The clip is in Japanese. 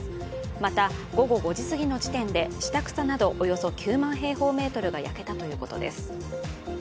また、午後５時すぎの時点で下草などおよそ９万平方メートルが焼けたということです。